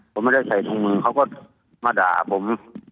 ผมไม่ได้ใส่ถุงมือเขาก็มาด่าผม